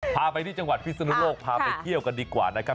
พาไปที่จังหวัดพิศนุโลกพาไปเที่ยวกันดีกว่านะครับ